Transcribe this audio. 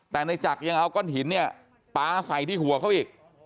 แต่ในจักรยังเอาก้อนหินเนี่ยปลาใส่ที่หัวเขาอีก